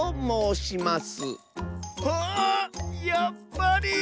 あやっぱり！